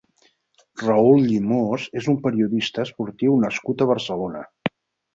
Raül Llimós és un periodista esportiu nascut a Barcelona.